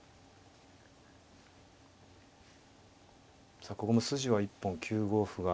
さあここも筋は一本９五歩が。